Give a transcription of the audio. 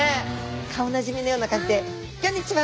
顔なじみのような感じで「ギョんにちは！